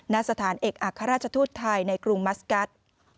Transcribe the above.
ณสถานเอกอัครราชทูตไทยในกรุงมัสกัส